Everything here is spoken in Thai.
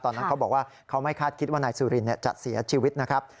ตอนนั้นเขาบอกว่าเขาไม่คาดคิดว่านายสุรินจะเสียชีวิตนะครับ